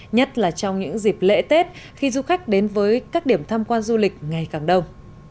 nhất là trong những dịp lễ tết khi du khách đến với các điểm tham quan du lịch ngày càng đông